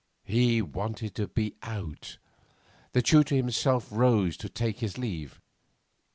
He wanted to be out. The tutor half rose to take his leave.